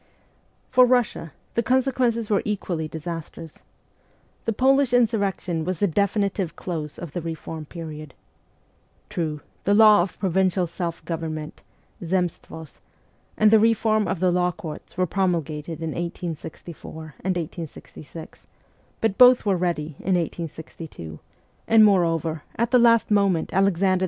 For Russia the consequences were equally disastrous. The Polish insurrection was the definitive close of the reform period. True, the law of provincial self govern ment (Zemstvos) and the reform of the law courts were promulgated in 1864 and 1866 ; but both were ready in 1862, and, moreover, at the last moment Alexander II.